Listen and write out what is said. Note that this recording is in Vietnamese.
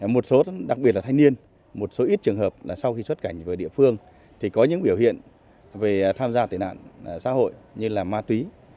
một số đặc biệt là thanh niên một số ít trường hợp là sau khi xuất cảnh về địa phương thì có những biểu hiện về tham gia tệ nạn xã hội như là ma túy